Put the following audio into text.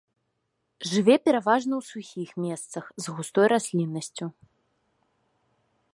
Жыве пераважна ў сухіх месцах, з густой расліннасцю.